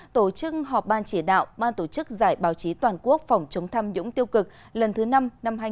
tổ chức họp ban chỉ đạo ban tổ chức giải báo chí toàn quốc phòng chống tham nhũng tiêu cực lần thứ năm năm hai nghìn hai mươi bốn hai nghìn hai mươi năm